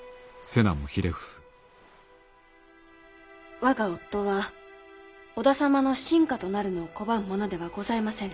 我が夫は織田様の臣下となるのを拒むものではございませぬ。